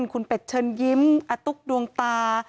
คุณเป็ดเชิญยิ้มอตุ๊กดวงตา